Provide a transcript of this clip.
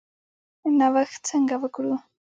نوښت څنګه وکړو؟